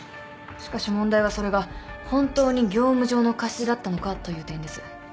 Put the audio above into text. しかし問題はそれが本当に業務上の過失だったのかという点です。